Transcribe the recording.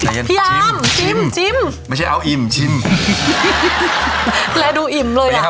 พี่อามชิมชิมไม่ใช่เอาอิ่มชิมและดูอิ่มเลยอ่ะ